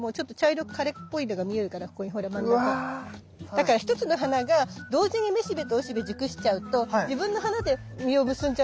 だから一つの花が同時にめしべとおしべ熟しちゃうと自分の花で実を結んじゃうかもしれないじゃない。